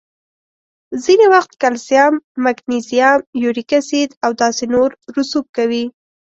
ځینې وخت کلسیم، مګنیزیم، یوریک اسید او داسې نور رسوب کوي.